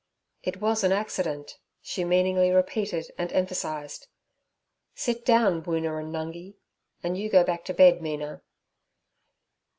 'It was an accident' she meaningly repeated and emphasized. 'Sit down, Woona and Nungi, and you go back to bed, Mina.'